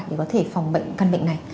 để có thể phòng bệnh căn bệnh này